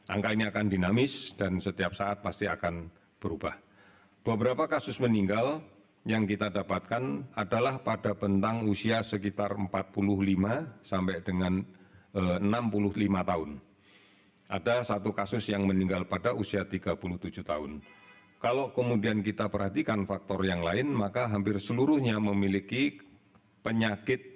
angka ini akan dinamis yang setiap saat jumlah kasus baru akan bisa meningkat dengan cepat